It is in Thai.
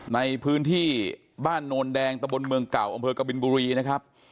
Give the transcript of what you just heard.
ในพื้นที่บ้านโนนแดงตะบนเมืองเก่าอำเภอกบินบุรีนะครับ